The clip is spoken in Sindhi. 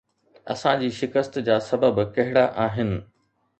اسان جي شڪست جا سبب ڪهڙا آهن؟